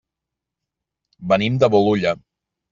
Venim de Bolulla.